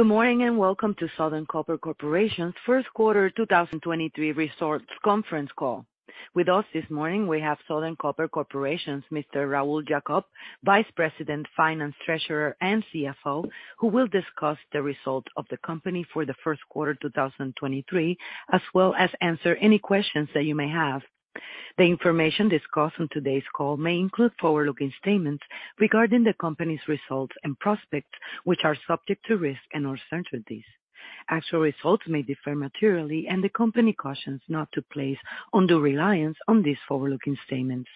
Good morning, welcome to Southern Copper Corporation's Q1 2023 results conference call. With us this morning, we have Southern Copper Corporation's Mr. Raul Jacob, Vice President, Finance, Treasurer, and CFO, who will discuss the results of the company for the Q1 2023, as well as answer any questions that you may have. The information discussed on today's call may include forward-looking statements regarding the company's results and prospects, which are subject to risks and uncertainties. Actual results may differ materially, and the company cautions not to place undue reliance on these forward-looking statements.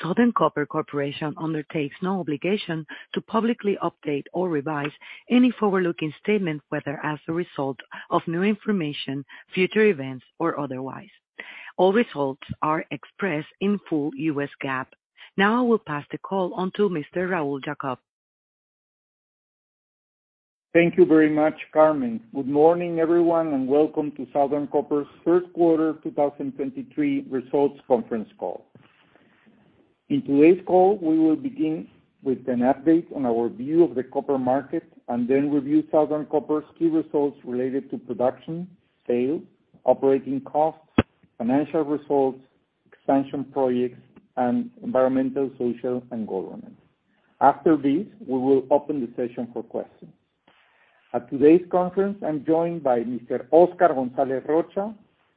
Southern Copper Corporation undertakes no obligation to publicly update or revise any forward-looking statement, whether as a result of new information, future events, or otherwise. All results are expressed in full US GAAP. Now I will pass the call on to Mr. Raul Jacob. Thank you very much, Carmen. Good morning, everyone, and welcome to Southern Copper's Q3 2023 results conference call. In today's call, we will begin with an update on our view of the copper market and then review Southern Copper's key results related to production, sales, operating costs, financial results, expansion projects, and environmental, social, and governance. After this, we will open the session for questions. At today's conference, I'm joined by Mr. Oscar Gonzalez Rocha,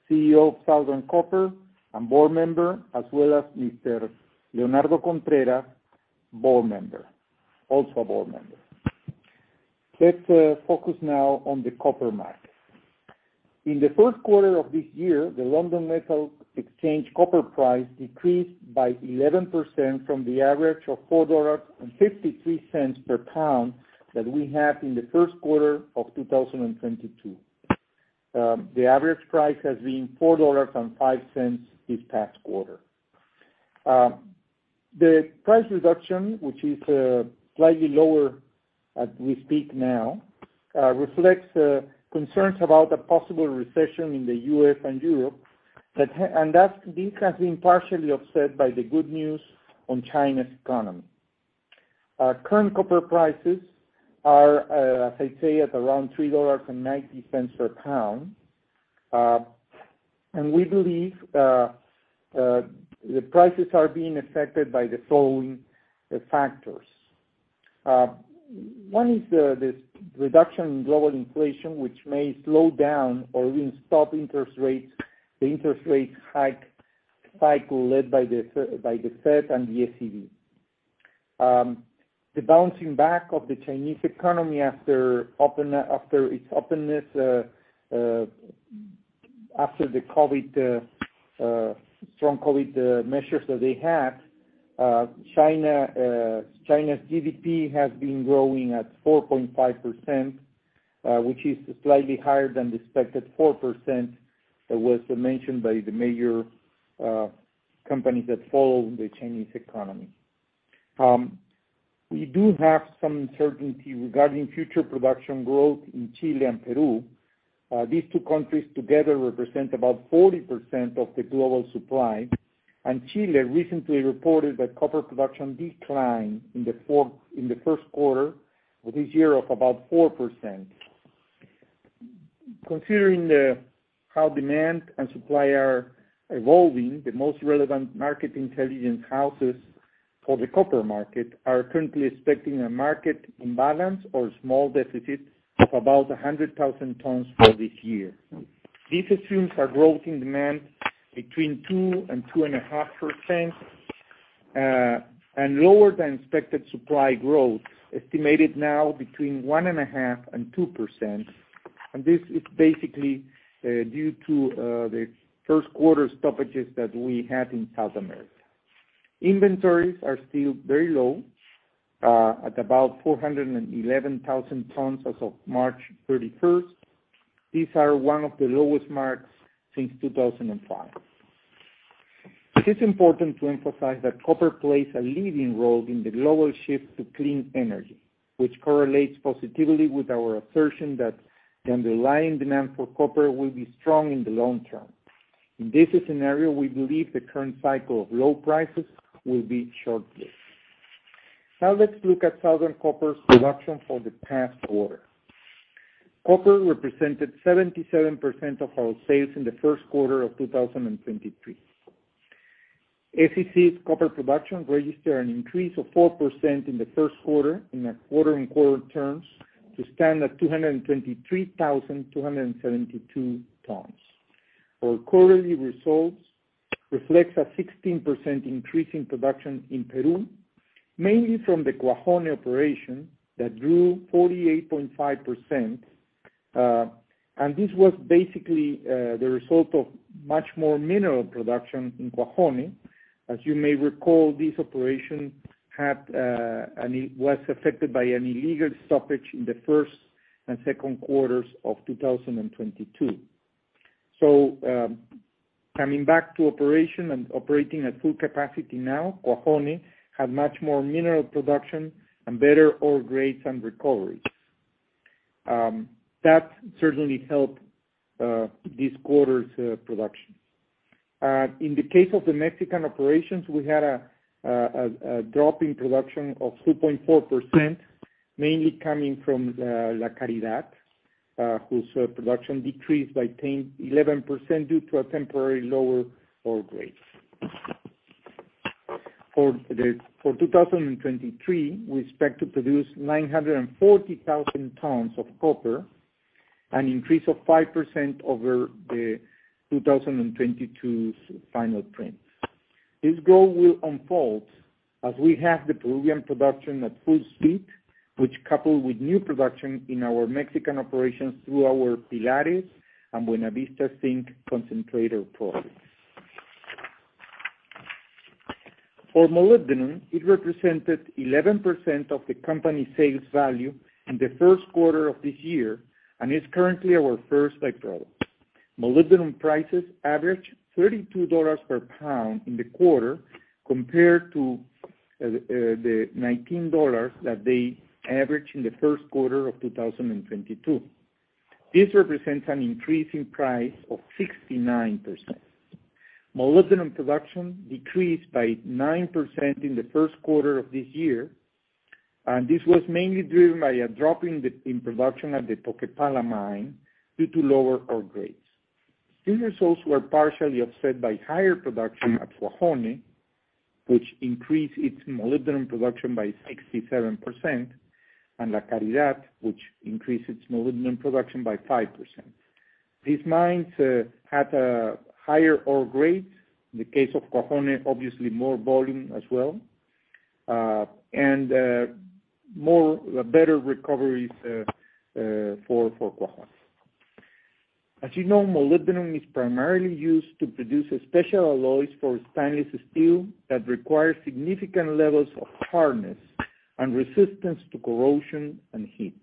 CEO of Southern Copper and board member, as well as Mr. Leonardo Contreras, also a board member. Let's focus now on the copper market. In the Q1 of this year, the London Metal Exchange copper price decreased by 11% from the average of $4.53 per pound that we had in the Q1 of 2022. The average price has been $4.05 this past quarter. The price reduction, which is slightly lower as we speak now, reflects concerns about a possible recession in the U.S. and Europe this has been partially offset by the good news on China's economy. Current copper prices are, I say, at around $3.90 per pound. We believe the prices are being affected by the following factors. One is the reduction in global inflation, which may slow down or even stop interest rates, the interest rate hike cycle led by the Fed and the ECB. The bouncing back of the Chinese economy after its openness after the COVID strong COVID measures that they had. China's GDP has been growing at 4.5%, which is slightly higher than the expected 4% that was mentioned by the major companies that follow the Chinese economy. We do have some uncertainty regarding future production growth in Chile and Peru. These two countries together represent about 40% of the global supply. Chile recently reported that copper production declined in the Q1 of this year of about 4%. Considering the, how demand and supply are evolving, the most relevant market intelligence houses for the copper market are currently expecting a market imbalance or a small deficit of about 100,000 tons for this year. This assumes a growth in demand between 2% and 2.5%, and lower than expected supply growth, estimated now between 1.5% and 2%. This is basically due to the Q1 stoppages that we had in South America. Inventories are still very low, at about 411,000 tons as of March 31st. These are one of the lowest marks since 2005. It is important to emphasize that copper plays a leading role in the global shift to clean energy, which correlates positively with our assertion that the underlying demand for copper will be strong in the long term. In this scenario, we believe the current cycle of low prices will be short-lived. Let's look at Southern Copper's production for the past quarter. Copper represented 77% of our sales in the Q1 of 2023. SCC's copper production registered an increase of 4% in the Q1 in a quarter-on-quarter terms to stand at 223,272 tons. Our quarterly results reflects a 16% increase in production in Peru, mainly from the Cuajone operation that grew 48.5%. This was basically the result of much more mineral production in Cuajone. As you may recall, this operation was affected by an illegal stoppage in the first and Q2s of 2022. Coming back to operation and operating at full capacity now, Cuajone had much more mineral production and better ore grades and recoveries. That certainly helped this quarter's production. In the case of the Mexican operations, we had a drop in production of 2.4%, mainly coming from La Caridad, whose production decreased by 11% due to a temporary lower ore grade. For 2023, we expect to produce 940,000 tons of copper, an increase of 5% over the 2022's final print. This growth will unfold as we have the Peruvian production at full speed, which coupled with new production in our Mexican operations through our Pilares and Buenavista zinc concentrator projects. For molybdenum, it represented 11% of the company's sales value in the Q1 of this year and is currently our first by-product. Molybdenum prices averaged $32 per pound in the quarter compared to the $19 that they averaged in the Q1 of 2022. This represents an increase in price of 69%. Molybdenum production decreased by 9% in the Q1 of this year, this was mainly driven by a drop in production at the Toquepala mine due to lower ore grades. These results were partially offset by higher production at Cuajone, which increased its molybdenum production by 67%, and La Caridad, which increased its molybdenum production by 5%. These mines had higher ore grades. In the case of Cuajone, obviously more volume as well. A better recoveries for Cuajone. As you know, molybdenum is primarily used to produce special alloys for stainless steel that require significant levels of hardness and resistance to corrosion and heat.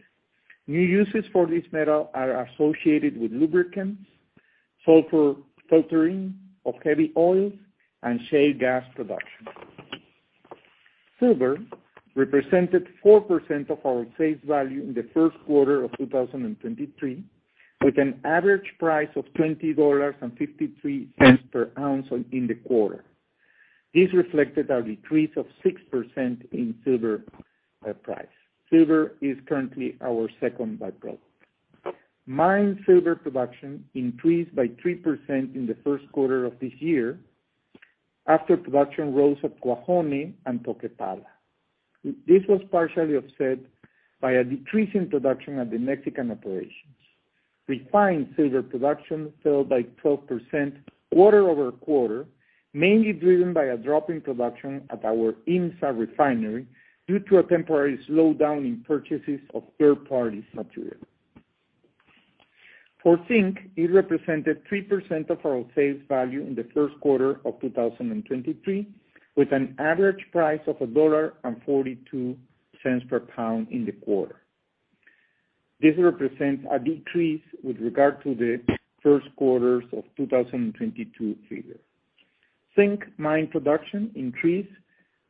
New uses for this metal are associated with lubricants, sulfur filtering of heavy oils, and shale gas production. Silver represented 4% of our sales value in the Q1 of 2023, with an average price of $20.53 per ounce in the quarter. This reflected a decrease of 6% in silver price. Silver is currently our second by-product. Mine silver production increased by 3% in the Q1 of this year after production rose at Cuajone and Toquepala. This was partially offset by a decrease in production at the Mexican operations. Refined silver production fell by 12% quarter-over-quarter, mainly driven by a drop in production at our IMMSA refinery due to a temporary slowdown in purchases of third-party material. For zinc, it represented 3% of our sales value in the Q1 of 2023, with an average price of $1.42 per pound in the quarter. This represents a decrease with regard to the Q1s of 2022 figure. Zinc mine production increased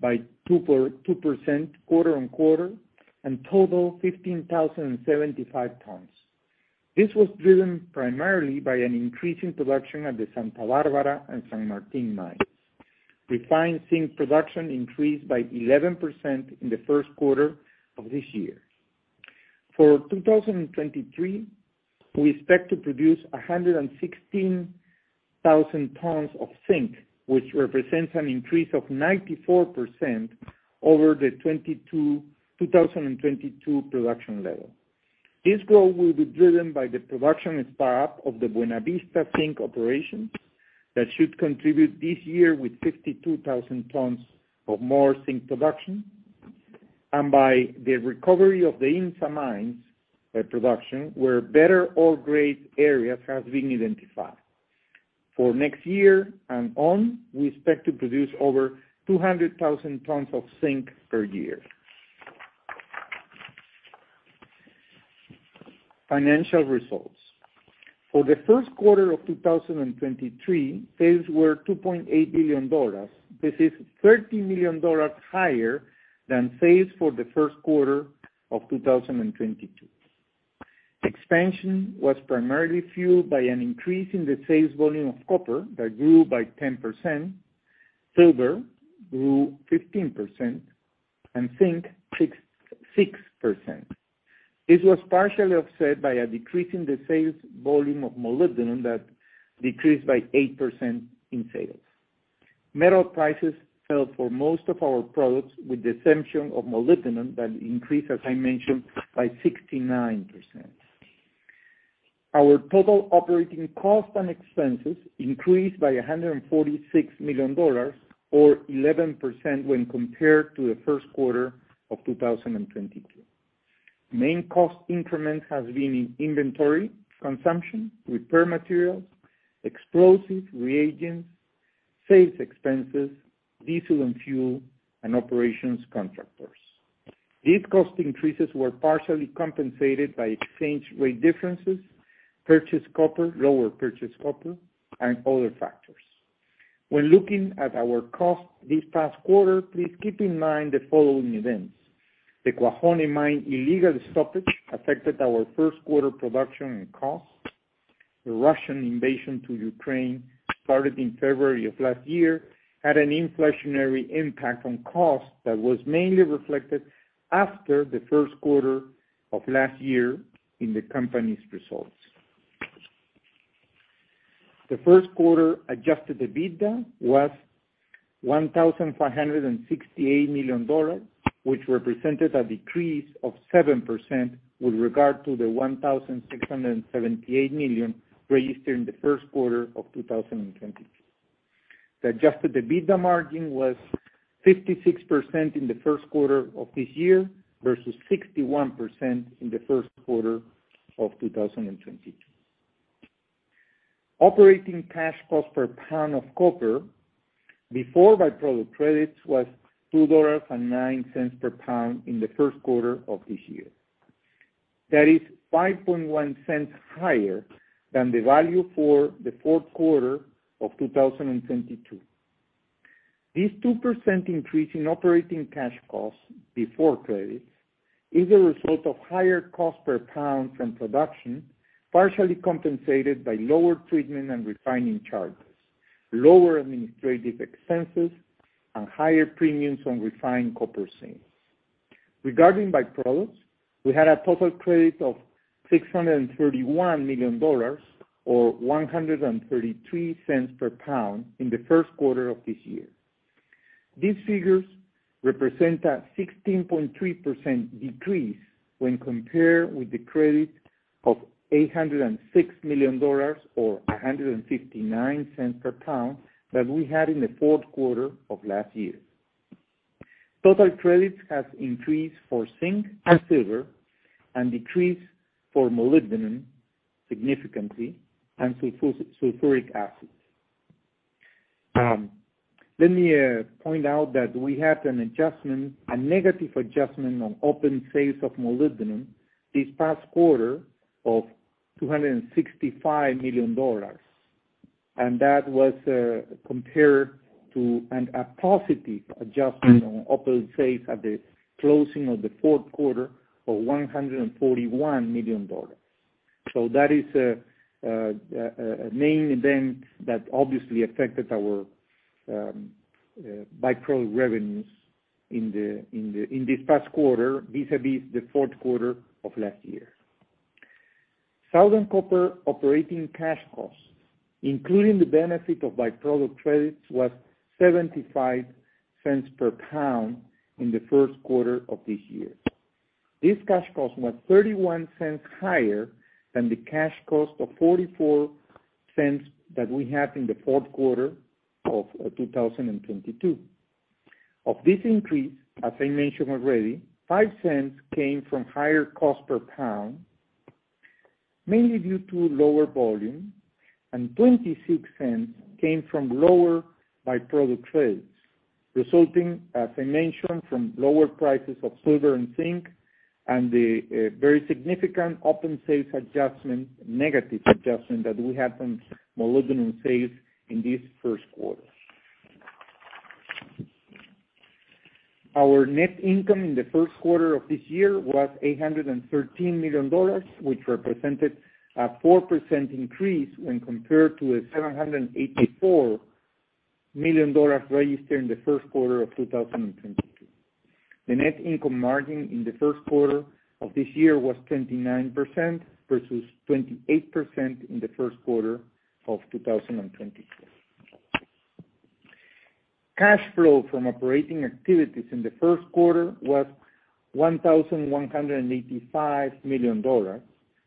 by 2% quarter-on-quarter and total 15,075 tons. This was driven primarily by an increase in production at the Santa Barbara and San Martin mines. Refined zinc production increased by 11% in the Q1 of this year. For 2023, we expect to produce 116,000 tons of zinc, which represents an increase of 94% over the 2022 production level. This growth will be driven by the production and start-up of the Buenavista zinc operations that should contribute this year with 62,000 tons of more zinc production and by the recovery of the IMMSA mines production, where better ore grade areas has been identified. For next year and on, we expect to produce over 200,000 tons of zinc per year. Financial results. For the Q1 of 2023, sales were $2.8 billion. This is $30 million higher than sales for the Q1 of 2022. Expansion was primarily fueled by an increase in the sales volume of copper that grew by 10%, silver grew 15%, and zinc 6%. This was partially offset by a decrease in the sales volume of molybdenum that decreased by 8% in sales. Metal prices fell for most of our products, with the exception of molybdenum that increased, as I mentioned, by 69%. Our total operating costs and expenses increased by $146 million or 11% when compared to the Q1 of 2022. Main cost increments has been in inventory consumption, repair materials, explosives, reagents, sales expenses, diesel and fuel, and operations contractors. These cost increases were partially compensated by exchange rate differences, lower purchased copper, and other factors. When looking at our costs this past quarter, please keep in mind the following events. The Cuajone mine illegal stoppage affected our Q1 production and cost. The Russian invasion to Ukraine started in February of last year, had an inflationary impact on cost that was mainly reflected after the Q1 of last year in the company's results. The Q1 adjusted EBITDA was $1,568 million, which represented a decrease of 7% with regard to the $1,678 million registered in the Q1 of 2022. The adjusted EBITDA margin was 56% in the Q1 of this year versus 61% in the Q1 of 2022. Operating cash cost per pound of copper before by-product credits was $2.09 per pound in the Q1 of this year. That is $0.051 higher than the value for the Q4 of 2022. This 2% increase in operating cash costs before credits is a result of higher cost per pound from production, partially compensated by lower treatment and refining charges, lower administrative expenses, and higher premiums on refined copper sales. Regarding by-products, we had a total credit of $631 million or $1.33 per pound in the Q1 of this year. These figures represent a 16.3% decrease when compared with the credit of $806 million or $1.59 per pound that we had in the Q4 of last year. Total credits has increased for zinc and silver and decreased for molybdenum significantly and sulfuric acid. Let me point out that we had an adjustment, a negative adjustment on open sales of molybdenum this past quarter of $265 million. That was compared to a positive adjustment on open sales at the closing of the Q4 of $141 million. That is a main event that obviously affected our by-product revenues in the in this past quarter vis-à-vis the Q4 of last year. Southern Copper operating cash costs, including the benefit of by-product credits, was $0.75 per pound in the Q1 of this year. This cash cost was $0.31 higher than the cash cost of $0.44 that we had in the Q4 of 2022. Of this increase, as I mentioned already, $0.05 came from higher cost per pound, mainly due to lower volume, and $0.26 came from lower by-product sales, resulting, as I mentioned, from lower prices of silver and zinc and the very significant open sales adjustment, negative adjustment that we had from molybdenum sales in this Q1. Our net income in the Q1 of this year was $813 million, which represented a 4% increase when compared to the $784 million registered in the Q1 of 2022. The net income margin in the Q1 of this year was 29% versus 28% in the Q1 of 2022. Cash flow from operating activities in the Q1 was $1,185 million,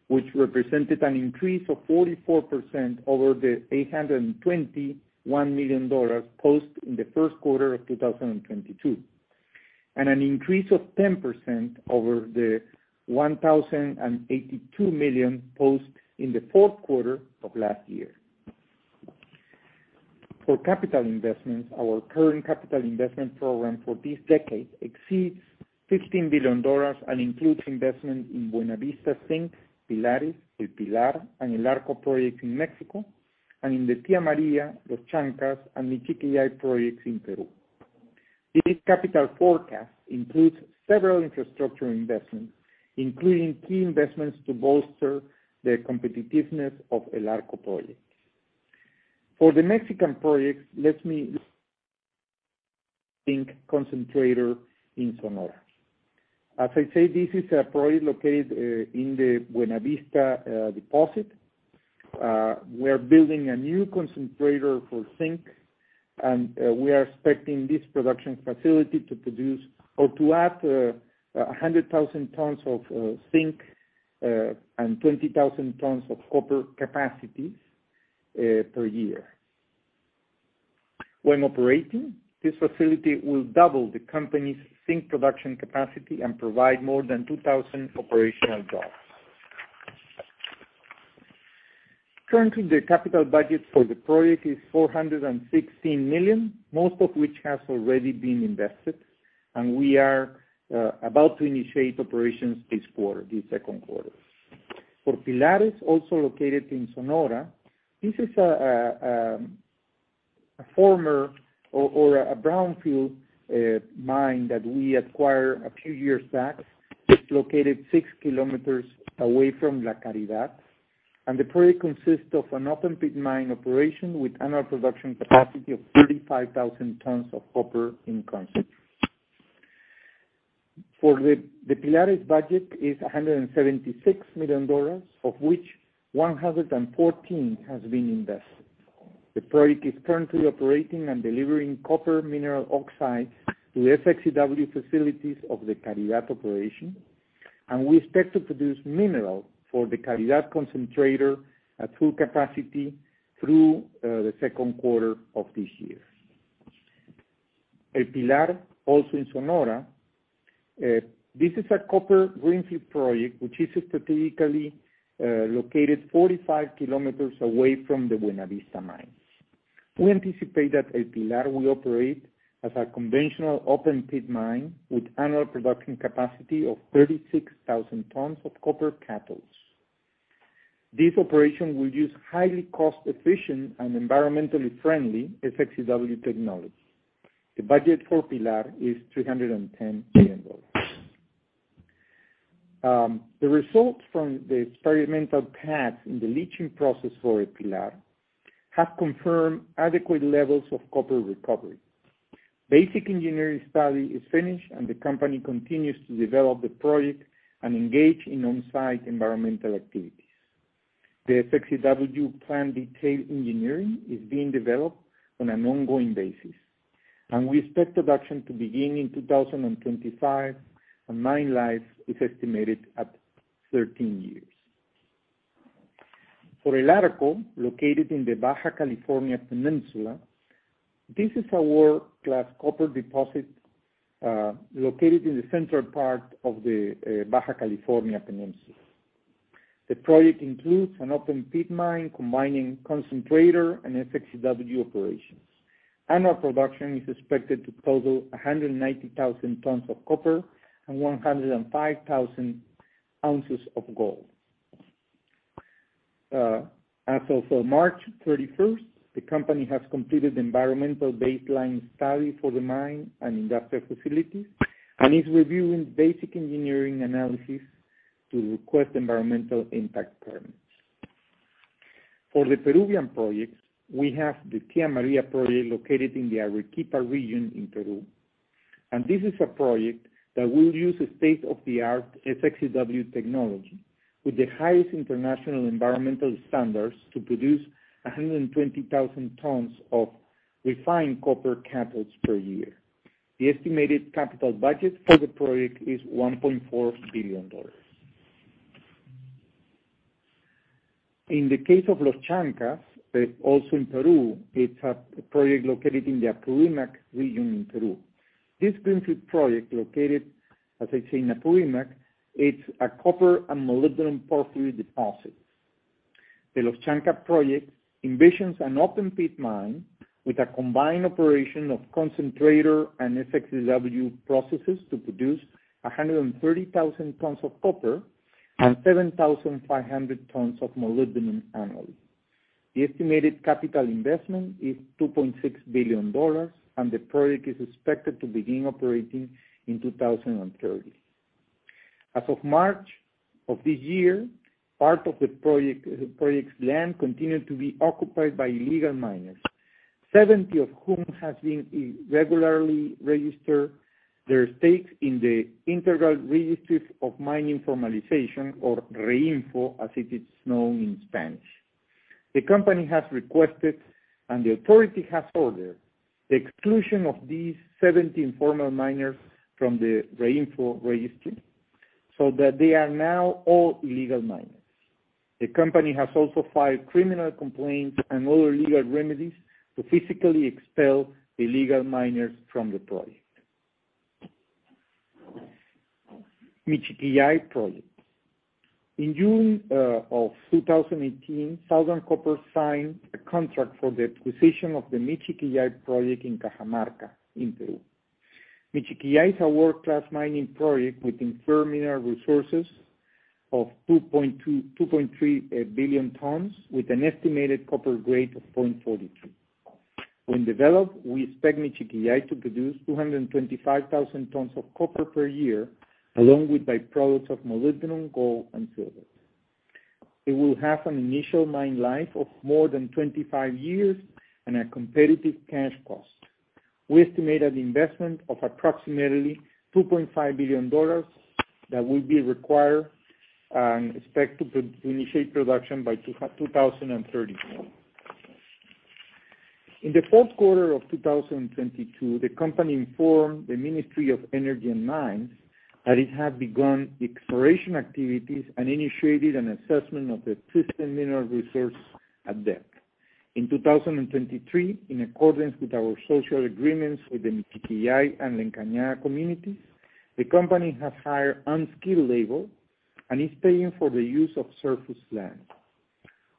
which represented an increase of 44% over the $821 million posted in the Q1 of 2022, and an increase of 10% over the $1,082 million posted in the Q4 of last year. For capital investments, our current capital investment program for this decade exceeds $15 billion and includes investment in Buenavista Zinc, Pilares, El Pilar, and El Arco projects in Mexico, and in the Tia Maria, Los Chancas, and Michiquillay projects in Peru. This capital forecast includes several infrastructure investments, including key investments to bolster the competitiveness of El Arco project. For the Mexican projects, let me zinc concentrator in Sonora. As I said, this is a project located in the Buenavista deposit. We're building a new concentrator for zinc, and we are expecting this production facility to produce or to add 100,000 tons of zinc and 20,000 tons of copper capacities per year. When operating, this facility will double the company's zinc production capacity and provide more than 2,000 operational jobs. Currently, the capital budget for the project is $416 million, most of which has already been invested, and we are about to initiate operations this quarter, this Q2. For Pilares, also located in Sonora, this is a former or a brownfield mine that we acquired a few years back. It's located 6 km away from La Caridad. The project consists of an open pit mine operation with annual production capacity of 35,000 tons of copper in concentrate. The Pilares budget is $176 million, of which $114 million has been invested. The project is currently operating and delivering copper mineral oxide to SXEW facilities of the Caridad operation, and we expect to produce mineral for the Caridad concentrator at full capacity through the Q2 of this year. El Pilar, also in Sonora, this is a copper greenfield project which is strategically located 45 km away from the Buenavista mine. We anticipate that El Pilar will operate as a conventional open pit mine with annual production capacity of 36,000 tons of copper cathodes. This operation will use highly cost-efficient and environmentally friendly SXEW technology. The budget for Pilares is $310 million. The results from the experimental tests in the leaching process for Pilares have confirmed adequate levels of copper recovery. Basic engineering study is finished, and the company continues to develop the project and engage in on-site environmental activities. The SXEW plan detailed engineering is being developed on an ongoing basis, and we expect production to begin in 2025, and mine life is estimated at 13 years. For El Arco, located in the Baja California Peninsula, this is a world-class copper deposit, located in the central part of the Baja California Peninsula. The project includes an open pit mine combining concentrator and SXEW operations. Annual production is expected to total 190,000 tons of copper and 105,000 ounces of gold. As of March 31st, the company has completed the environmental baseline study for the mine and industrial facilities and is reviewing basic engineering analysis to request environmental impact permits. For the Peruvian projects, we have the Tia Maria project located in the Arequipa region in Peru. This is a project that will use a state-of-the-art SXEW technology with the highest international environmental standards to produce 120,000 tons of refined copper cathodes per year. The estimated capital budget for the project is $1.4 billion. In the case of Los Chancas, also in Peru, it's a project located in the Apurímac region in Peru. This greenfield project located, as I said, in Apurímac, it's a copper and molybdenum porphyry deposit. The Los Chancas project envisions an open pit mine with a combined operation of concentrator and SXEW processes to produce 130,000 tons of copper and 7,500 tons of molybdenum annually. The estimated capital investment is $2.6 billion, and the project is expected to begin operating in 2030. As of March of this year, part of the project, the project's land continued to be occupied by illegal miners, 70 of whom have been regularly register their stakes in the Integral Registries of Mining Formalization, or REINFO as it is known in Spanish. The company has requested, and the authority has ordered the exclusion of these 70 informal miners from the REINFO registry so that they are now all illegal miners. The company has also filed criminal complaints and other legal remedies to physically expel illegal miners from the project. Michiquillay project. In June 2018, Southern Copper signed a contract for the acquisition of the Michiquillay project in Cajamarca in Peru. Michiquillay is a world-class mining project with inferred mineral resources of 2.2-2.3 billion tons with an estimated copper grade of 0.42. When developed, we expect Michiquillay to produce 225,000 tons of copper per year, along with byproducts of molybdenum, gold, and silver. It will have an initial mine life of more than 25 years and a competitive cash cost. We estimate an investment of approximately $2.5 billion that will be required, and expect to initiate production by 2030. In the Q4 of 2022, the company informed the Ministry of Energy and Mines that it had begun exploration activities and initiated an assessment of the existing mineral resource at depth. In 2023, in accordance with our social agreements with the Michiquillay and La Encañada communities, the company has hired unskilled labor and is paying for the use of surface land.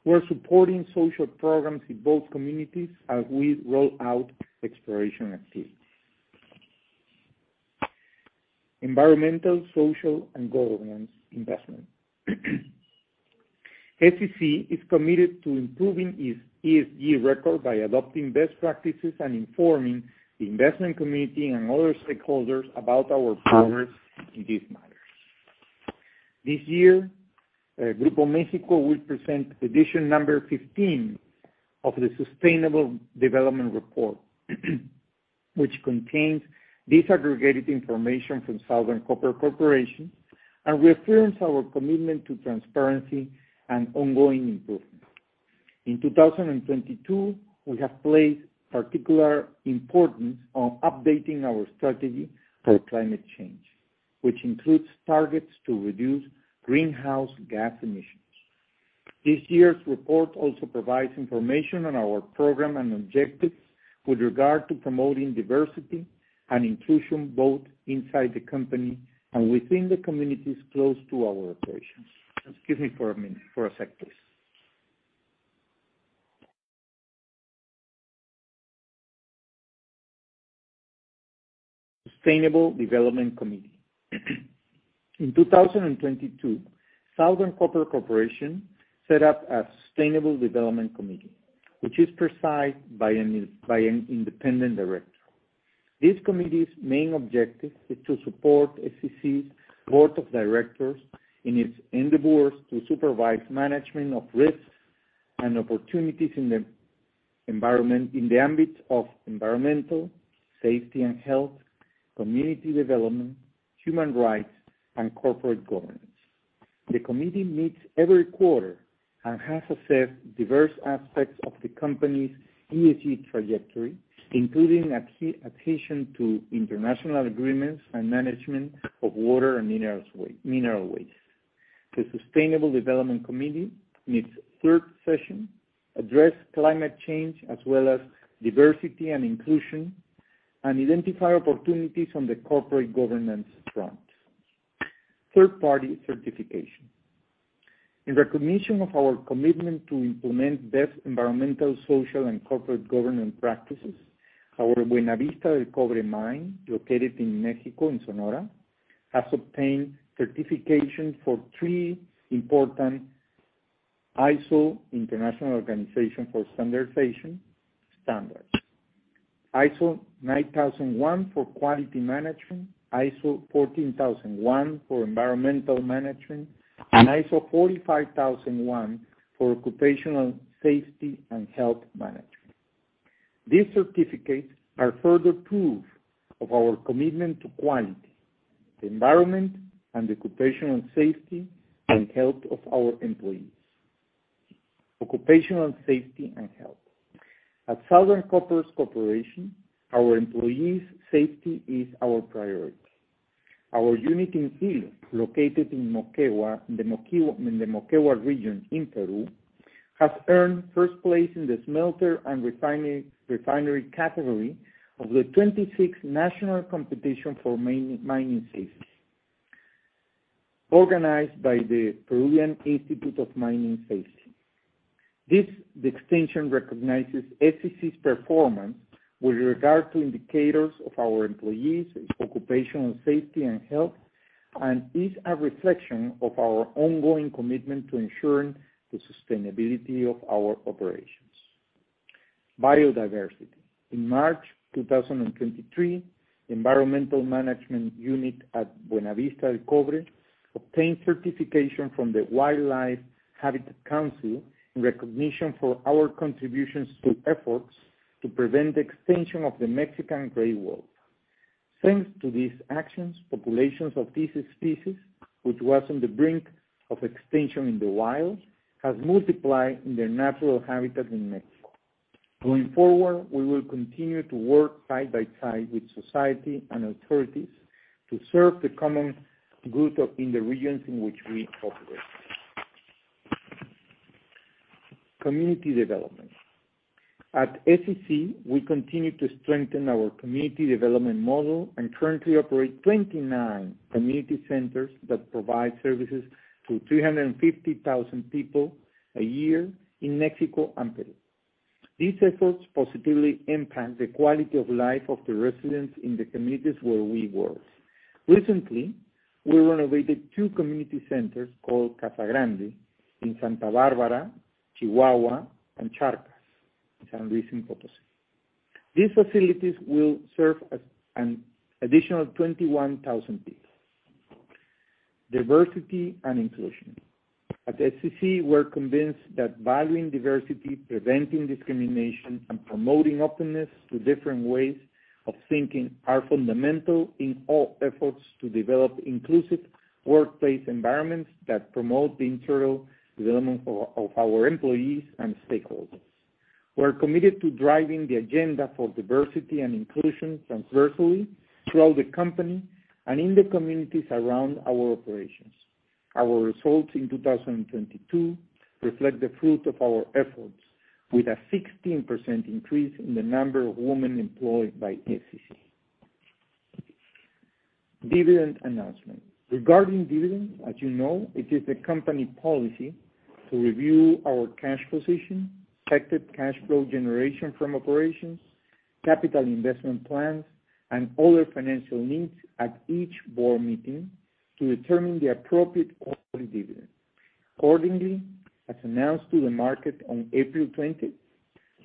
We're supporting social programs in both communities as we roll out exploration activities. Environmental, social, and governance investment. SCC is committed to improving its ESG record by adopting best practices and informing the investment committee and other stakeholders about our progress in these matters. This year, Grupo México will present edition number 15 of the Sustainable Development Report, which contains disaggregated information from Southern Copper Corporation and reaffirms our commitment to transparency and ongoing improvement. In 2022, we have placed particular importance on updating our strategy for climate change, which includes targets to reduce greenhouse gas emissions. This year's report also provides information on our program and objectives with regard to promoting diversity and inclusion, both inside the company and within the communities close to our operations. Excuse me for a minute, for a sec, please. Sustainable development committee. In 2022, Southern Copper Corporation set up a sustainable development committee, which is precise by an independent director. This committee's main objective is to support SCC's board of directors in its endeavors to supervise management of risks and opportunities in the environment, in the ambit of environmental, safety and health, community development, human rights, and corporate governance. The committee meets every quarter and has assessed diverse aspects of the company's ESG trajectory, including adhesion to international agreements and management of water and mineral waste. The sustainable development committee meets third session, address climate change as well as diversity and inclusion, and identify opportunities on the corporate governance front. Third-party certification. In recognition of our commitment to implement best environmental, social, and corporate governance practices, our Buenavista del Cobre mine, located in Mexico, in Sonora, has obtained certification for three important ISO, International Organization for Standardization, standards: ISO 9001 for quality management, ISO 14001 for environmental management, and ISO 45001 for occupational safety and health management. These certificates are further proof of our commitment to quality, the environment, and occupational safety and health of our employees. Occupational safety and health. At Southern Copper's Corporation, our employees' safety is our priority. Our unit in Ilo, located in Moquegua, in the Moquegua region in Peru, has earned first place in the smelter and refinery category of the 26th national competition for mining safety, organized by the Peruvian Institute of Mining Safety. This distinction recognizes SCC's performance with regard to indicators of our employees' occupational safety and health, and is a reflection of our ongoing commitment to ensuring the sustainability of our operations. Biodiversity. In March 2023, Environmental Management Unit at Buenavista del Cobre obtained certification from the Wildlife Habitat Council in recognition for our contributions to efforts to prevent extinction of the Mexican gray wolf. Thanks to these actions, populations of this species, which was on the brink of extinction in the wild, has multiplied in their natural habitat in Mexico. Going forward, we will continue to work side by side with society and authorities to serve the common good in the regions in which we operate. Community development. At SCC, we continue to strengthen our community development model and currently operate 29 community centers that provide services to 350,000 people a year in Mexico and Peru. These efforts positively impact the quality of life of the residents in the communities where we work. Recently, we renovated two community centers called Casa Grande in Santa Barbara, Chihuahua, and Charcas in San Luis Potosí. These facilities will serve as an additional 21,000 people. Diversity and inclusion. At SCC, we're convinced that valuing diversity, preventing discrimination, and promoting openness to different ways of thinking are fundamental in all efforts to develop inclusive workplace environments that promote the internal development of our employees and stakeholders. We're committed to driving the agenda for diversity and inclusion transversally throughout the company and in the communities around our operations. Our results in 2022 reflect the fruit of our efforts, with a 16% increase in the number of women employed by SCC. Dividend announcement. Regarding dividends, as you know, it is the company policy to review our cash position, expected cash flow generation from operations, capital investment plans, and other financial needs at each board meeting to determine the appropriate quarterly dividend. Accordingly, as announced to the market on April 20,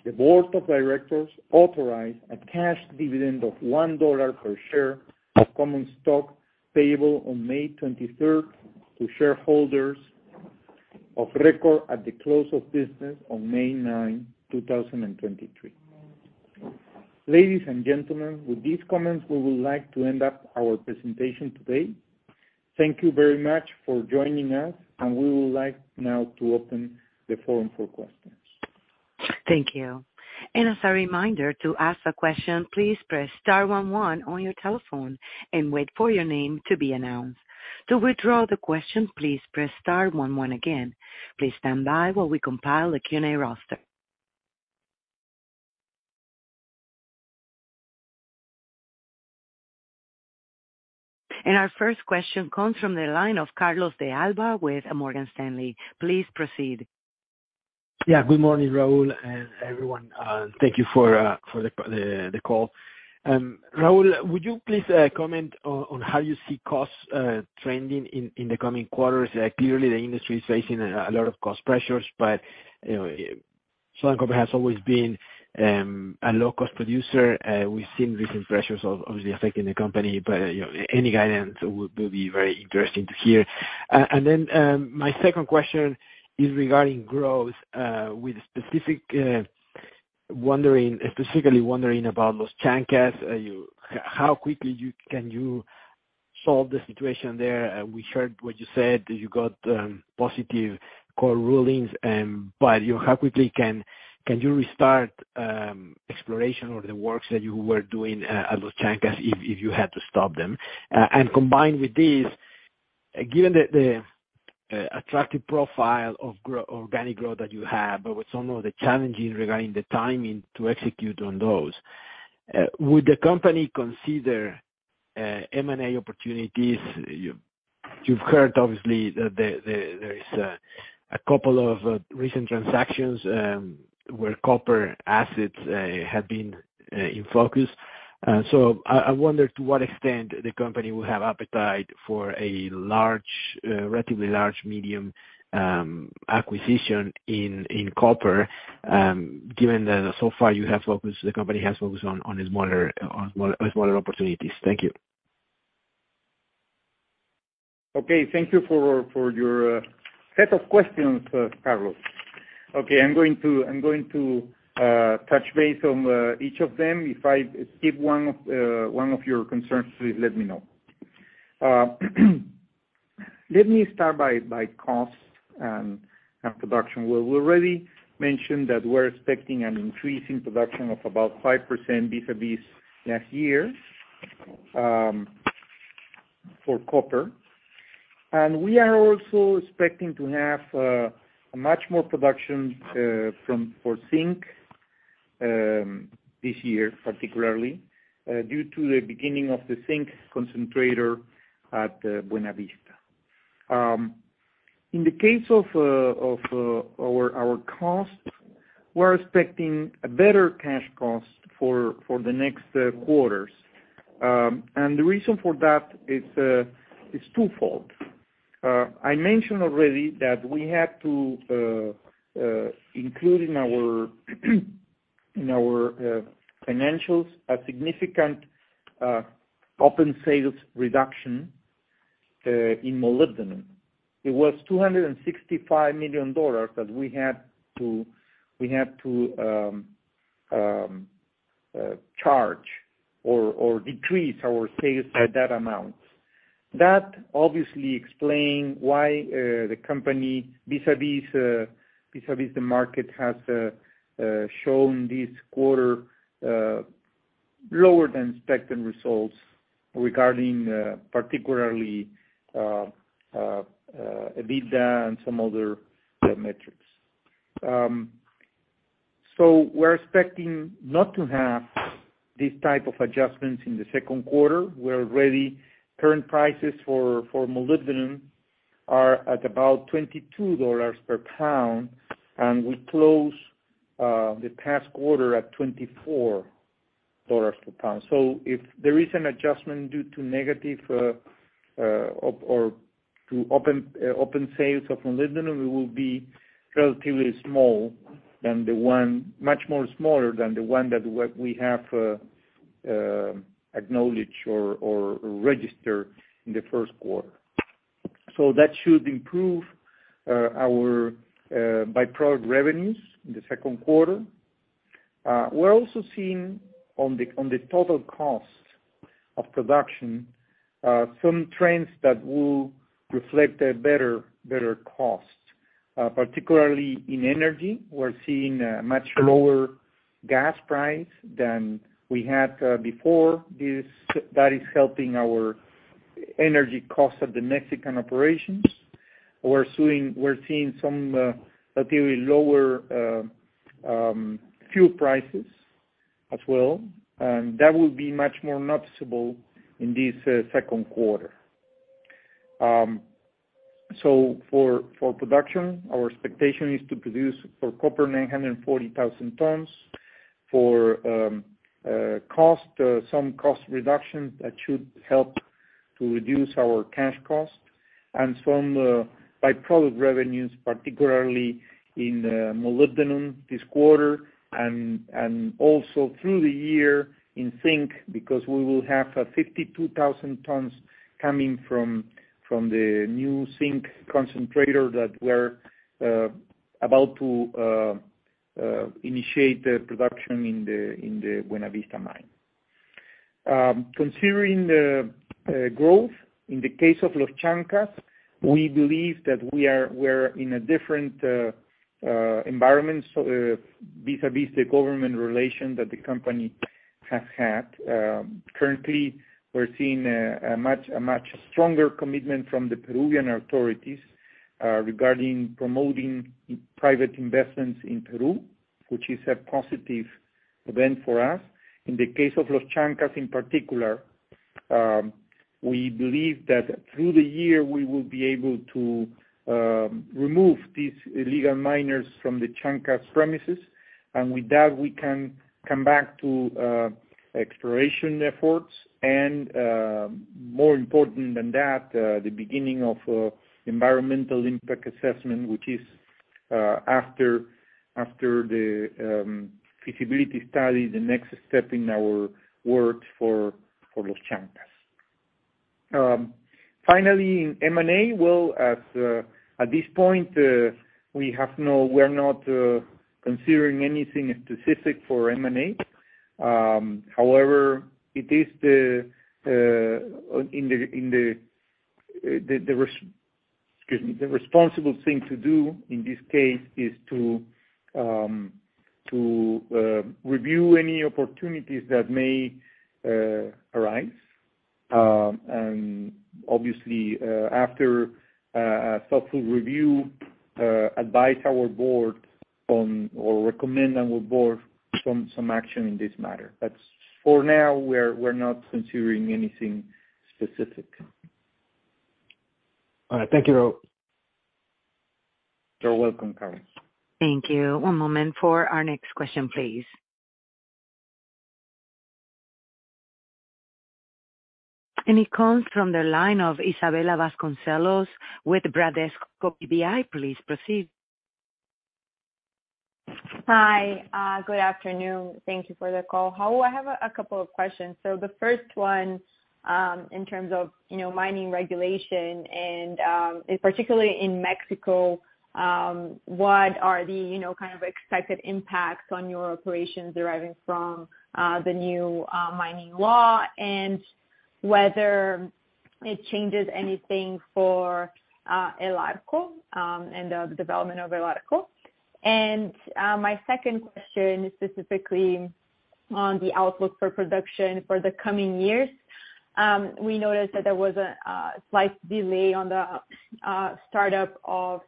the board of directors authorized a cash dividend of $1 per share of common stock payable on May 23, to shareholders of record at the close of business on May 9, 2023. Ladies and gentlemen, with these comments, we would like to end up our presentation today. Thank you very much for joining us, and we would like now to open the forum for questions. Thank you. As a reminder to ask a question, please press star one one on your telephone and wait for your name to be announced. To withdraw the question, please press star one one again. Please stand by while we compile the Q&A roster. Our first question comes from the line of Carlos de Alba with Morgan Stanley. Please proceed. Yeah, good morning, Raul, and everyone. Thank you for the call. Raul, would you please comment on how you see costs trending in the coming quarters? Clearly the industry is facing a lot of cost pressures, but, you know, Southern Copper has always been a low cost producer. We've seen recent pressures of, obviously affecting the company, but, you know, any guidance would be very interesting to hear. My second question is regarding growth, specifically wondering about Los Chancas. How quickly you can solve the situation there? We heard what you said, that you got positive court rulings, but, you know, how quickly can you restart exploration or the works that you were doing at Los Chancas if you had to stop them? Combined with this, given the attractive profile of grow-organic growth that you have, but with some of the challenges regarding the timing to execute on those, would the company consider M&A opportunities? You've heard obviously there is a couple of recent transactions, where copper assets have been in focus. I wonder to what extent the company will have appetite for a large, relatively large medium acquisition in copper, given that so far the company has focused on a smaller, on smaller opportunities? Thank you. Okay. Thank you for your set of questions, Carlos. Okay, I'm going to touch base on each of them. If I skip one of your concerns, please let me know. Let me start by cost and production. Well, we already mentioned that we're expecting an increase in production of about 5% vis-a-vis last year for copper. We are also expecting to have a much more production for zinc this year, particularly due to the beginning of the zinc concentrator at Buenavista. In the case of our costs, we're expecting a better cash cost for the next quarters. The reason for that is twofold. I mentioned already that we have to including our in our financials, a significant open sales reduction in molybdenum. It was $265 million that we had to charge or decrease our sales by that amount. That obviously explain why the company vis-a-vis vis-a-vis the market has shown this quarter lower than expected results regarding particularly EBITDA and some other metrics. We're expecting not to have these type of adjustments in the Q2. We're ready current prices for molybdenum are at about $22 per pound, and we closed the past quarter at $24 per pound. If there is an adjustment due to negative, or to open sales of molybdenum, we will be relatively small than the one much more smaller than the one that we have acknowledged or registered in the Q1. That should improve our by-product revenues in the Q2. We're also seeing on the total cost of production, some trends that will reflect a better cost. Particularly in energy, we're seeing a much lower gas price than we had before this. That is helping our energy cost of the Mexican operations. We're seeing some relatively lower fuel prices as well. That will be much more noticeable in this Q2. For production, our expectation is to produce for copper 940,000 tons. For cost, some cost reduction that should help to reduce our cash cost and some by-product revenues, particularly in the molybdenum this quarter and also through the year in zinc because we will have 52,000 tons coming from the new zinc concentrator that we're about to initiate the production in the Buenavista mine. Considering the growth in the case of Los Chancas, we believe that we're in a different environment, so vis-a-vis the government relation that the company has had. Currently we're seeing a much stronger commitment from the Peruvian authorities regarding promoting private investments in Peru, which is a positive event for us. In the case of Los Chancas in particular, we believe that through the year, we will be able to remove these illegal miners from the Chancas premises. With that, we can come back to exploration efforts. More important than that, the beginning of environmental impact assessment, which is after the feasibility study, the next step in our work for Los Chancas. Finally in M&A, well, at this point, we're not considering anything specific for M&A. However, it is the excuse me, the responsible thing to do in this case is to review any opportunities that may arise. Obviously, after a thoughtful review, advise our board on or recommend our board some action in this matter. For now, we're not considering anything specific. All right. Thank you. You're welcome, Carlos. Thank you. One moment for our next question, please. It comes from the line of Isabella Vasconcelos with Bradesco BBI. Please proceed. Hi. Good afternoon. Thank you for the call. Raul, I have a couple of questions. The first one, in terms of, you know, mining regulation and particularly in Mexico, what are the, you know, kind of expected impacts on your operations deriving from the new mining law and whether it changes anything for El Arco and the development of El Arco? My second question is specifically on the outlook for production for the coming years. We noticed that there was a slight delay on the startup of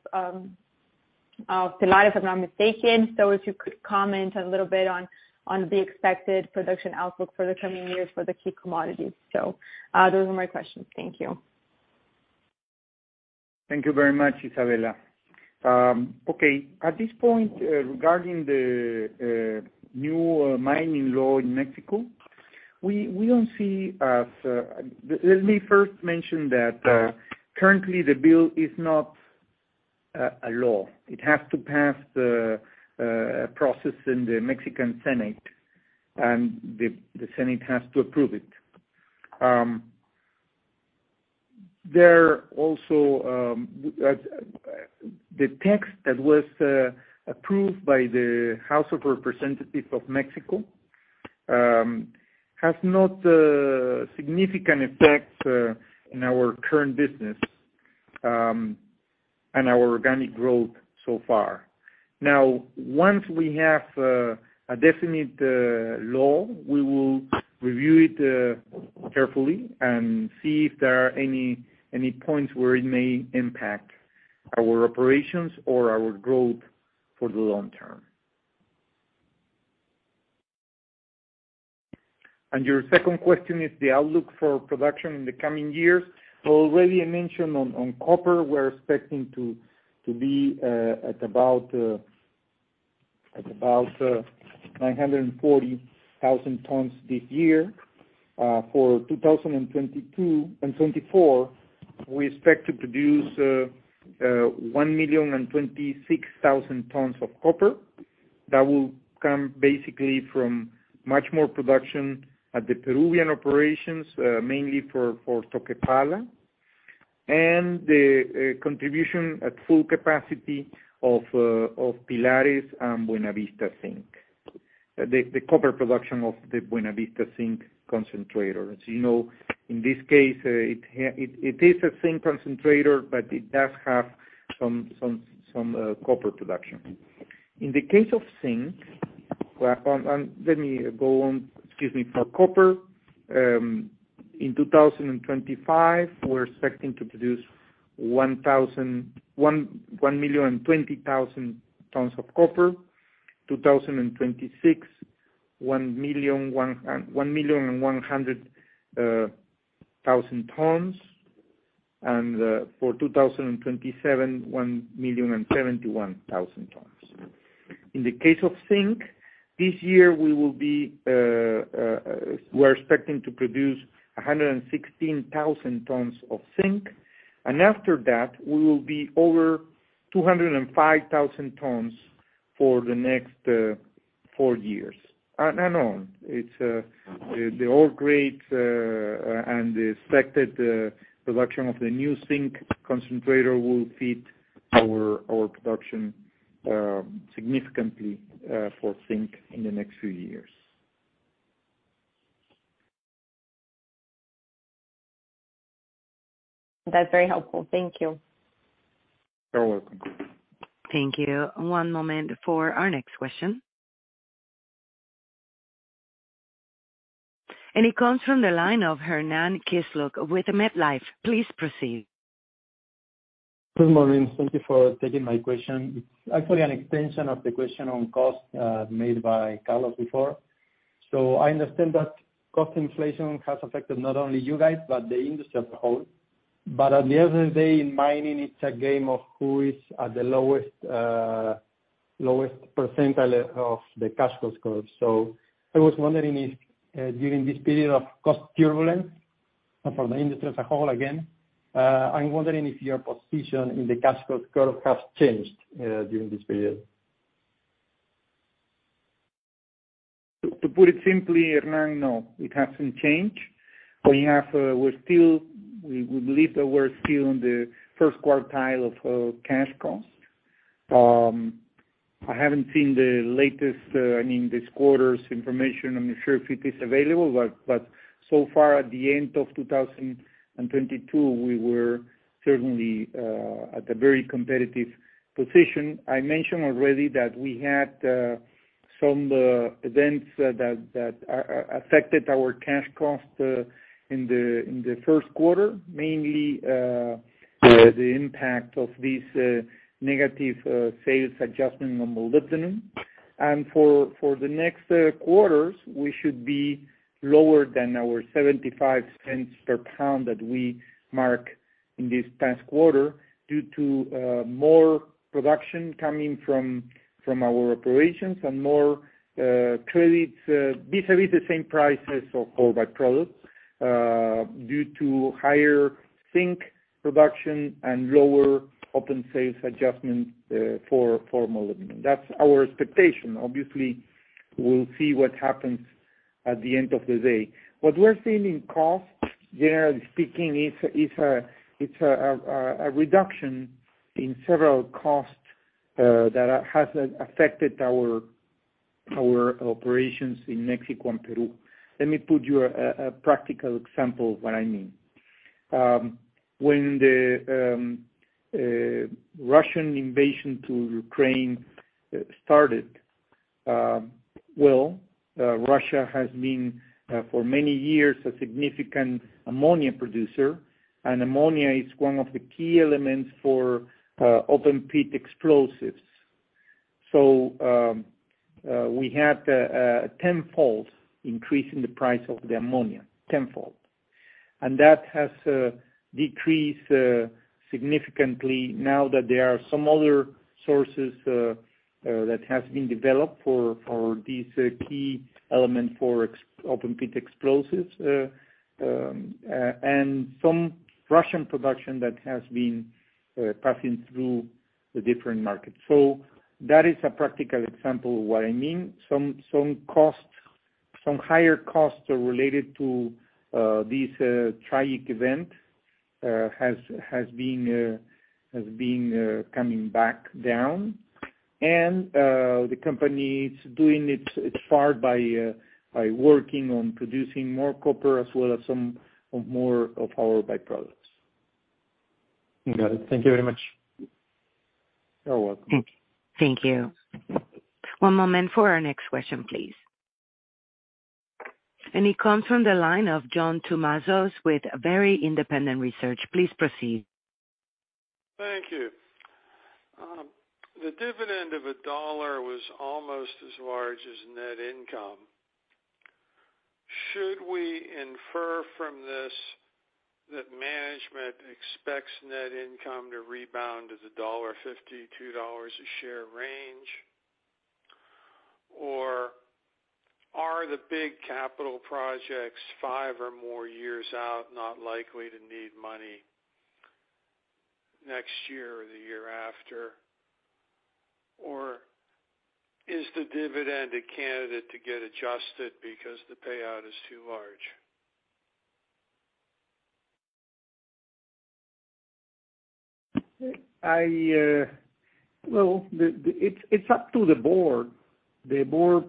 if I'm not mistaken. If you could comment a little bit on the expected production outlook for the coming years for the key commodities. Those are my questions. Thank you. Thank you very much, Isabella. Okay. At this point, regarding the new mining law in Mexico, we don't see as, let me first mention that currently the bill is not a law. It has to pass a process in the Mexican Senate, and the Senate has to approve it. There also, the text that was approved by the House of Representatives of Mexico, has not significant effects in our current business and our organic growth so far. Now, once we have a definite law, we will review it carefully and see if there are any points where it may impact our operations or our growth for the long term. Your second question is the outlook for production in the coming years. I already mentioned on copper, we're expecting to be at about 940,000 tons this year. For 2022 and 2024, we expect to produce 1,026,000 tons of copper. That will come basically from much more production at the Peruvian operations, mainly for Toquepala and the contribution at full capacity of Pilares and Buenavista Zinc. The copper production of the Buenavista Zinc concentrator. As you know, in this case, it is a zinc concentrator, but it does have some copper production. In the case of zinc, Excuse me. For copper, In 2025, we're expecting to produce 1,020,000 tons of copper. 2026, 1,100,000 tons. For 2027, 1,071,000 tons. In the case of zinc, this year we will be, we're expecting to produce 116,000 tons of zinc. After that, we will be over 205,000 tons for the next 4 years. On. It's the old grade and the expected production of the new zinc concentrator will fit our production significantly for zinc in the next few years. That's very helpful. Thank you. You're welcome. Thank you. One moment for our next question. It comes from the line of Hernán Kisluk with MetLife. Please proceed. Good morning. Thank you for taking my question. It's actually an extension of the question on costs, made by Carlos before. I understand that cost inflation has affected not only you guys but the industry as a whole. At the end of the day, in mining, it's a game of who is at the lowest percentile of the cash cost curve. I was wondering if, during this period of cost turbulence, and for the industry as a whole again, I'm wondering if your position in the cash cost curve has changed, during this period. To put it simply, Hernán, no, it hasn't changed. We believe that we're still in the first quartile of cash cost. I haven't seen the latest, I mean, this quarter's information. I'm not sure if it is available, but so far, at the end of 2022, we were certainly at a very competitive position. I mentioned already that we had some events that affected our cash cost in the Q1, mainly the impact of this negative sales adjustment on molybdenum. For the next quarters, we should be lower than our $0.75 per pound that we marked in this past quarter due to more production coming from our operations and more credits vis-a-vis the same prices of all byproducts, due to higher zinc production and lower open sales adjustments for molybdenum. That's our expectation. Obviously, we'll see what happens at the end of the day. What we're seeing in costs, generally speaking, is a reduction in several costs that has affected our operations in Mexico and Peru. Let me put you a practical example of what I mean. When the Russian invasion to Ukraine started, Russia has been for many years, a significant ammonia producer, and ammonia is one of the key elements for open-pit explosives. We had a tenfold increase in the price of the ammonia. Tenfold. That has decreased significantly now that there are some other sources that has been developed for this key element for open-pit explosives. Some Russian production that has been passing through the different markets. That is a practical example of what I mean. Some higher costs related to this tragic event has been coming back down. The company is doing its part by working on producing more copper as well as some more of our byproducts. Got it. Thank you very much. You're welcome. Thank you. One moment for our next question, please. It comes from the line of John Tumazos with Very Independent Research. Please proceed. Thank you. The dividend of $1 was almost as large as net income. Should we infer from this that management expects net income to rebound to the $1.50-$2 a share range? Are the big capital projects 5 or more years out not likely to need money next year or the year after? Is the dividend a candidate to get adjusted because the payout is too large? I, well, it's up to the board. The board,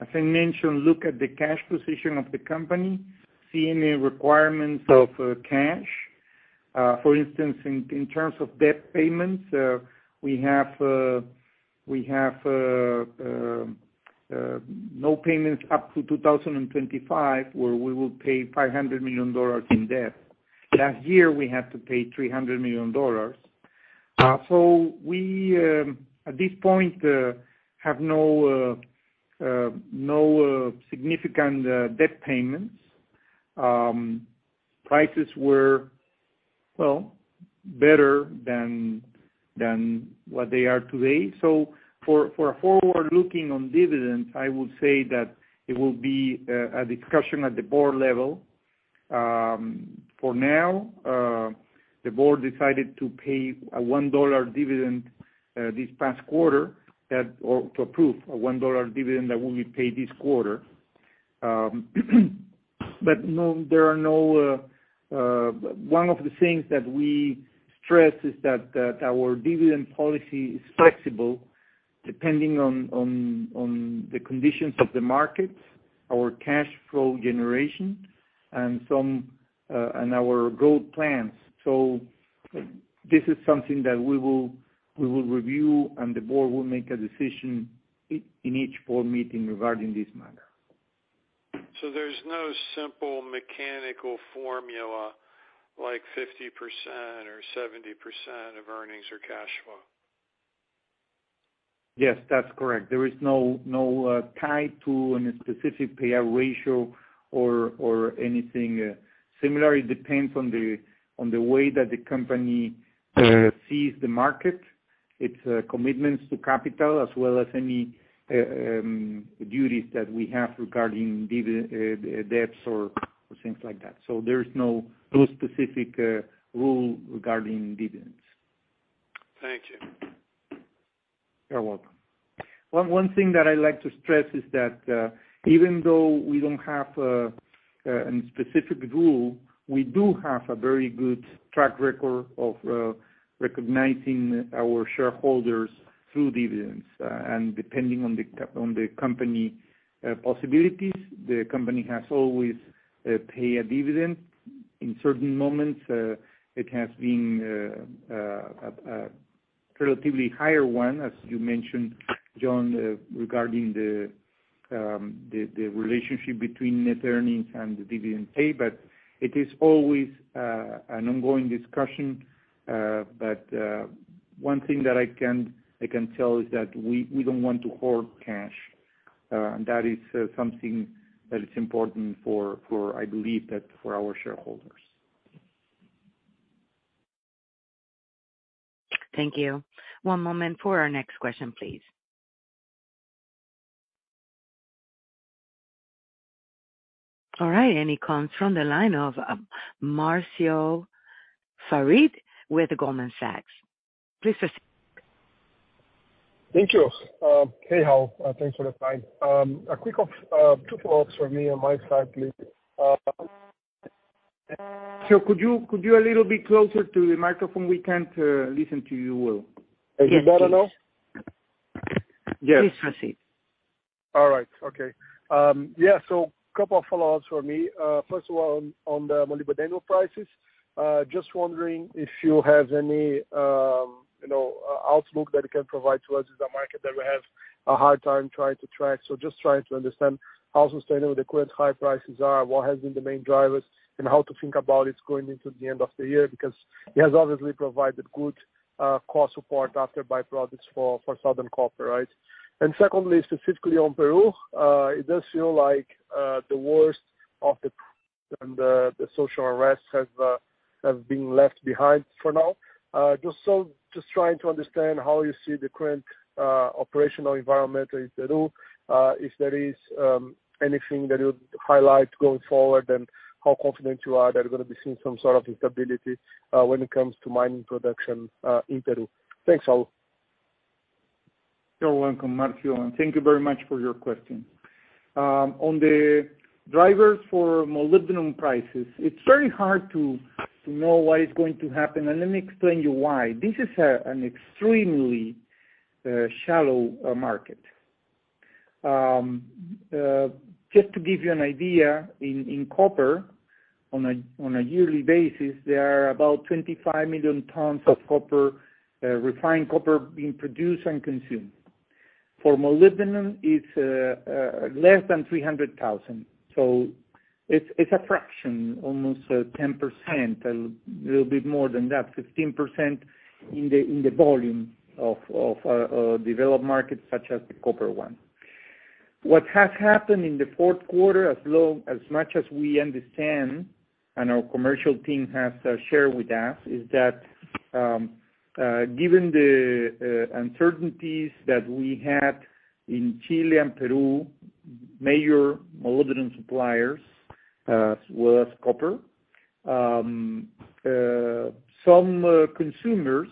as I mentioned, look at the cash position of the company, see any requirements of cash. For instance, in terms of debt payments, we have no payments up to 2025 where we will pay $500 million in debt. Last year, we had to pay $300 million. We, at this point, have no significant debt payments. Prices were, well, better than what they are today. For a forward-looking on dividends, I would say that it will be a discussion at the board level. For now, the board decided to pay a $1 dividend, this past quarter or to approve a $1 dividend that will be paid this quarter. No, there are no, one of the things that we stress is that our dividend policy is flexible depending on the conditions of the market, our cash flow generation, and our growth plans. This is something that we will review, and the board will make a decision in each board meeting regarding this matter. there's no simple mechanical formula like 50% or 70% of earnings or cash flow? Yes, that's correct. There is no tie to any specific payout ratio or anything similar. It depends on the way that the company sees the market, its commitments to capital, as well as any duties that we have regarding debts or things like that. There is no specific rule regarding dividends. Thank you. You're welcome. One thing that I like to stress is that even though we don't have a specific rule, we do have a very good track record of recognizing our shareholders through dividends. Depending on the company possibilities, the company has always pay a dividend. In certain moments, it has been a relatively higher one, as you mentioned, John, regarding the relationship between net earnings and the dividend paid. It is always an ongoing discussion. One thing that I can tell is that we don't want to hoard cash. That is something that is important for I believe that for our shareholders. Thank you. One moment for our next question, please. All right. It comes from the line of Marcio Farid with Goldman Sachs. Please proceed. Thank you. Hey, all. Thanks for the time. A quick off, 2 follow-ups for me on my side, please. Sir, could you a little bit closer to the microphone? We can't listen to you well. You don't know? Yes. Please proceed. All right. Okay. Yeah, couple of follow-ups for me. First of all, on the molybdenum prices, just wondering if you have any, you know, outlook that you can provide to us as a market that we have a hard time trying to track. Just trying to understand how sustainable the current high prices are, what has been the main drivers, and how to think about it going into the end of the year because it has obviously provided good cost support after byproducts for Southern Copper, right? Secondly, specifically on Peru, it does feel like the worst of the social unrest has been left behind for now. Just trying to understand how you see the current operational environment in Peru, if there is anything that you'd highlight going forward and how confident you are that we're gonna be seeing some sort of instability when it comes to mining production in Peru? Thanks, all. You're welcome, Marcio, thank you very much for your question. On the drivers for molybdenum prices, it's very hard to know what is going to happen, let me explain you why. This is an extremely shallow market. Just to give you an idea, in copper on a yearly basis, there are about 25 million tons of copper, refined copper being produced and consumed. For molybdenum, it's less than 300,000. It's a fraction, almost 10%, a little bit more than that, 15% in the volume of developed markets such as the copper one. What has happened in the Q4 as long as much as we understand and our commercial team has shared with us is that given the uncertainties that we had in Chile and Peru, major molybdenum suppliers, as well as copper, some consumers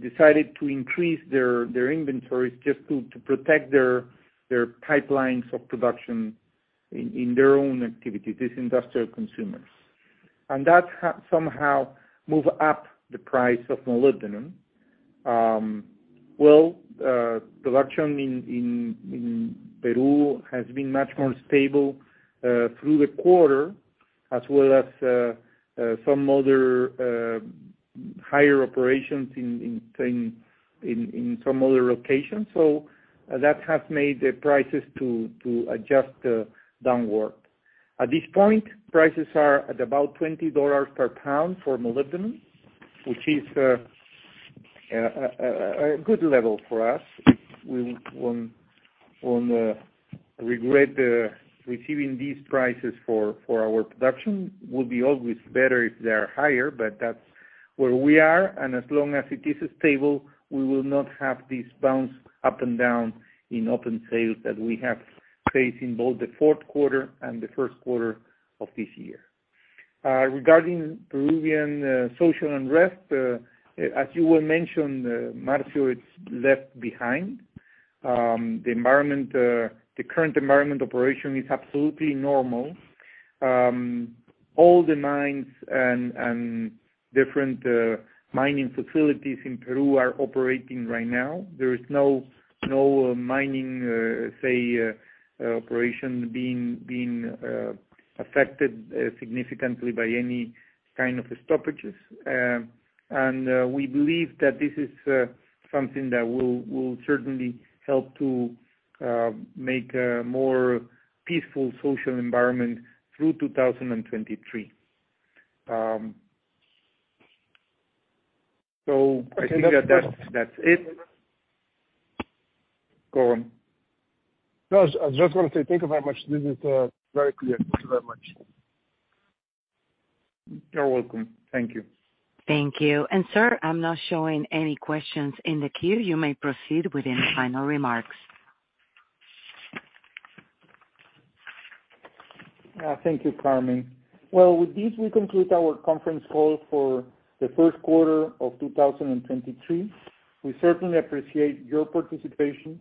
decided to increase their inventories just to protect their pipelines of production in their own activity, these industrial consumers. That somehow move up the price of molybdenum. Well, production in Peru has been much more stable through the quarter, as well as some other higher operations in some other locations. That has made the prices to adjust downward. At this point, prices are at about $20 per pound for molybdenum, which is a good level for us. If we regret receiving these prices for our production will be always better if they are higher, but that's where we are. As long as it is stable, we will not have these bounce up and down in open sales that we have faced in both the Q4 and the Q1 of this year. Regarding Peruvian social unrest, as you well mentioned, Marcio, it's left behind. The environment, the current environment operation is absolutely normal. All the mines and different mining facilities in Peru are operating right now. There is no mining operation affected significantly by any kind of stoppages. We believe that this is something that will certainly help to make a more peaceful social environment through 2023. I think that that's it. Go on. No, I just wanna say thank you very much. This is very clear. Thank you very much. You're welcome. Thank you. Thank you. Sir, I'm not showing any questions in the queue. You may proceed with any final remarks. Thank you, Carmen. With this, we conclude our conference call for the Q1 of 2023. We certainly appreciate your participation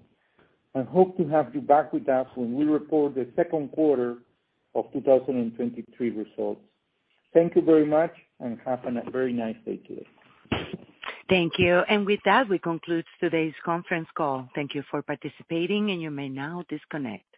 and hope to have you back with us when we report the Q2 of 2023 results. Thank you very much, and have a very nice day today. Thank you. With that, we conclude today's conference call. Thank you for participating, and you may now disconnect.